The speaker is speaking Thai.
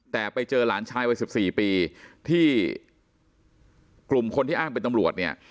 แต่ไปเจอหลานชายวัย๑๔ปีที่กลุ่มคนที่อ้างเป็นตำรวจเนี่ย